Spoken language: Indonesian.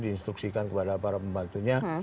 diinstruksikan kepada para pembantunya